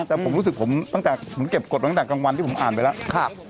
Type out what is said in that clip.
แต่ผมรู้สึกผมตั้งแต่ผมเก็บกฎมาตั้งแต่กลางวันที่ผมอ่านไปแล้ว